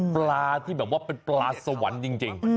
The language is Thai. ปลาที่แบบว่าเป็นปลาสวรรค์จริง